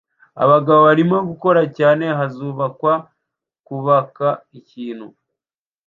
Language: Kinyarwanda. Abagabo barimo gukora cyane ahazubakwa kubaka ikintu